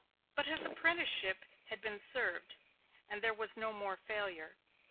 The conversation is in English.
But his apprenticeship had been served, and there was no more failure.